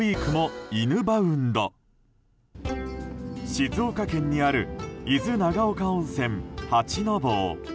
静岡県にある伊豆長岡温泉八の坊。